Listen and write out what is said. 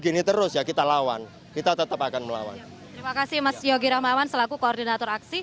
gini terus ya kita lawan kita tetap akan melawan terima kasih mas yogi rahmawan selaku koordinator aksi